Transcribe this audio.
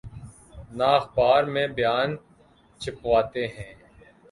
نہ اخبار میں بیان چھپواتے ہیں۔